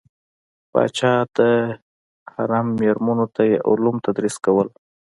پاچا د حرم میرمنو ته یې علوم تدریس کول.